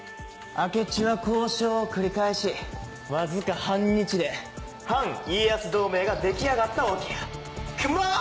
明智は交渉を繰り返しわずか半日で反家康同盟が出来上がったわけやカモン！